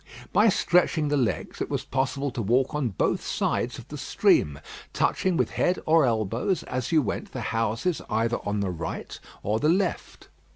By stretching the legs, it was possible to walk on both sides of the stream, touching with head or elbows, as you went, the houses either on the right or the left.